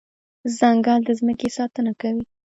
ځنګل د ځمکې ساتنه کوي.